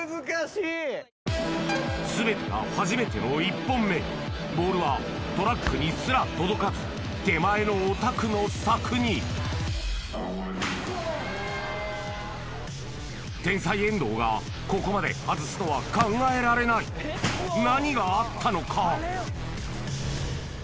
全てが初めての１本目ボールはトラックにすら届かず手前のお宅の柵に天才遠藤がここまで外すのは考えられない何があったのか？